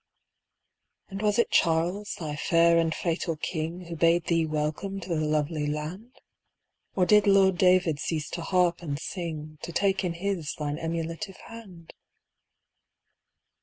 And was it Charles, thy "fair and fatal King", Who bade thee welcome to the lovely land? Or did Lord David cease to harp and sing To take in his thine emulative hand?